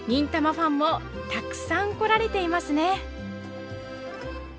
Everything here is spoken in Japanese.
ファンもたくさん来られていますね。